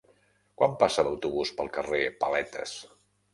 Quan passa l'autobús pel carrer Paletes?